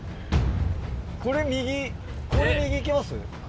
これ右これ右行けます？